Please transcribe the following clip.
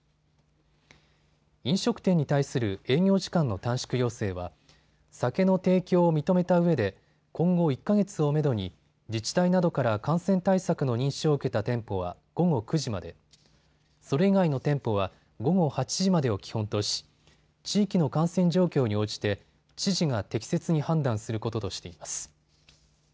飲食店に対する営業時間の短縮要請は酒の提供を認めたうえで今後１か月をめどに自治体などから感染対策の認証を受けた店舗は午後９時まで、それ以外の店舗は午後８時までを基本とし、地域の感染状況に応じて知事が適切に判断することとしています。